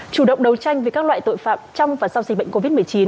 chủ động đấu tranh với các loại tội phạm trong và sau dịch bệnh covid một mươi chín